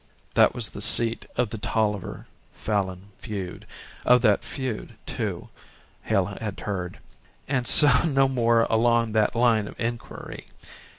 That was the seat of the Tolliver Falin feud. Of that feud, too, Hale had heard, and so no more along that line of inquiry.